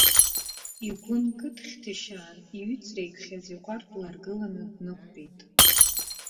Игәы нкыдхьҭшьаан, иҩыҵреикхьаз иҟәардә ларгыланы днықәтәеит.